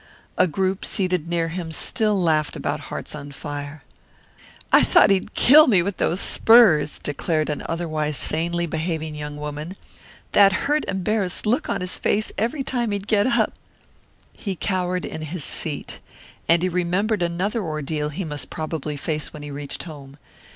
A group seated near him still laughed about Hearts on Fire. "I thought he'd kill me with those spurs," declared an otherwise sanely behaving young woman "that hurt, embarrassed look on his face every time he'd get up!" He cowered in his seat. And he remembered another ordeal he must probably face when he reached home.